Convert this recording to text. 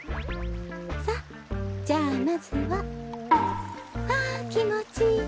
さっじゃあまずは。はあきもちいい。